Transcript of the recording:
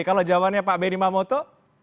kalau jawabannya pak benny mamoto